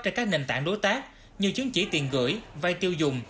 cho các nền tảng đối tác như chứng chỉ tiền gửi vai tiêu dùng